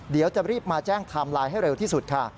เดี๋ยวจะรีบมาแจ้งไทม์ไลน์ให้เร็วที่สุดค่ะ